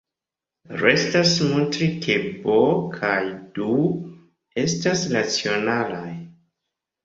Restas montri ke "b" kaj "d" estas racionalaj.